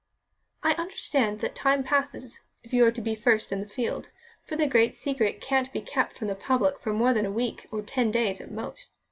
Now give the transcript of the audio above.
"I understand that time presses, if you are to be first in the field, for the great secret can't be kept from the public for more than a week or ten days at most.